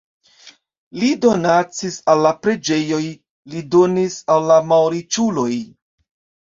Li donacis al la preĝejoj, li donis al la malriĉuloj.